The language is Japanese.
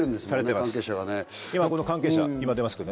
この関係者今出ますけど。